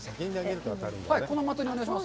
この的にお願いします。